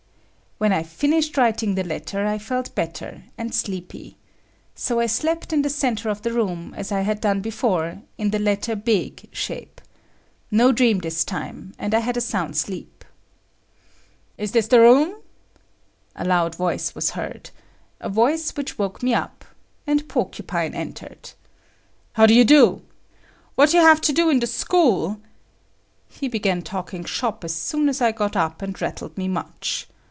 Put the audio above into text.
When I finished writing the letter, I felt better and sleepy. So I slept in the centre of the room, as I had done before, in the letter "big" shape ([D]). No dream this time, and I had a sound sleep. "Is this the room?"—a loud voice was heard,—a voice which woke me up, and Porcupine entered. "How do you do? What you have to do in the school——" he began talking shop as soon as I got up and rattled me much.